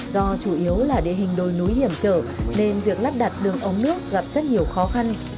do chủ yếu là địa hình đồi núi hiểm trở nên việc lắp đặt đường ống nước gặp rất nhiều khó khăn